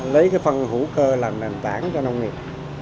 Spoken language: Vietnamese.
lấy cái phân hữu cơ làm nền tảng cho nông nghiệp